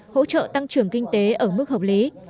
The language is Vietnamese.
hỗ trợ tăng trưởng kinh tế ở mức hợp lý